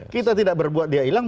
kita tidak berbuat dia hilang